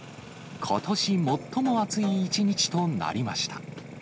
ことし最も暑い一日となりました。